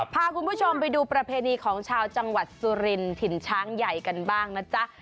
พาคุณผู้ชมไปดูประเพณีของชาวจังหวัดสุรินถิ่นช้างใหญ่กันบ้างนะจ๊ะ